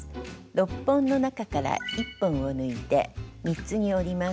６本の中から１本を抜いて３つに折ります。